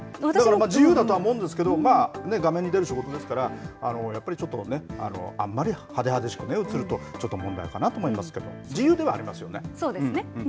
自由だと思うんですけど画面に出る仕事ですからやっぱり、ちょっとねあまり派手派手しく映ると問題かなと思いますけれどそうですね。